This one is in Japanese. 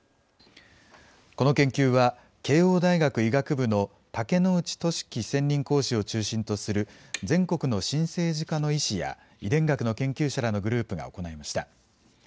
この研究は慶応大学医学部の武内俊樹専任講師を中心とする全国の新生児科の医師や遺伝学の研究者らのグループが行いました。